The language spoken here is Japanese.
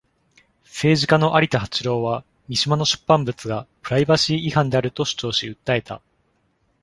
政治家の有田八郎は、三島の出版物がプライバシー違反であると主張し訴えた。